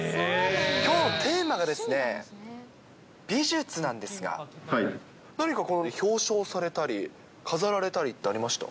きょう、テーマがですね、美術なんですが、何か表彰されたり、飾られたりってありました？